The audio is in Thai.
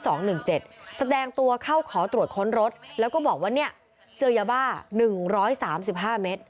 แสดงตัวเข้าขอตรวจค้นรถแล้วก็บอกว่าเนี่ยเจอยาบ้า๑๓๕เมตร